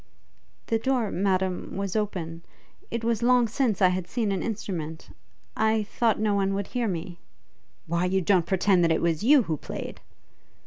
'The door, Madam, was open. It was long since I had seen an instrument I thought no one would hear me ' 'Why you don't pretend that it was you who played?'